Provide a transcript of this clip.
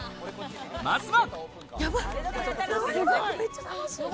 まずは。